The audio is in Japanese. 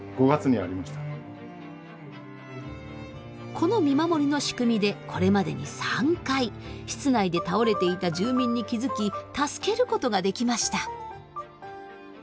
この見守りの仕組みでこれまでに３回室内で倒れていた住民に気付き助けることができました。